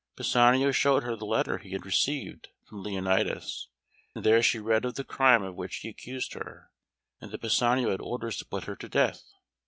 Pisanio showed her the letter he had received from Leonatus, and there she read of the crime of which he accused her, and that Pisanio had orders to put her to death.